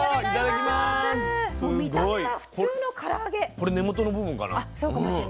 これ根元の部分かな。